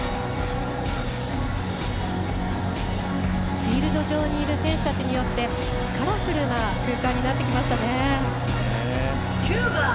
フィールド上にいる選手によってカラフルな空間になってきましたね。